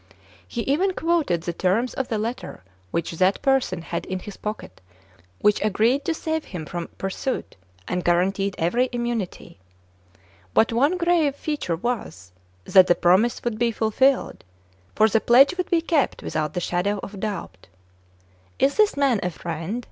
He even quoted the terms of the letter which that person had in his pocket, which agreed to save him from pursuit, and guaranteed every immunity. But one grave fea ture was, that the promise would be fulfilled ; for the pledge would be kept without the shadow of a doubt. " Is this man a friend